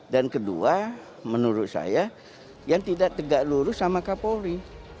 dan kedua menurut saya yang tidak tegak lurus sama kapolri